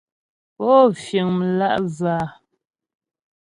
Pó fíŋ mlǎ'və a ?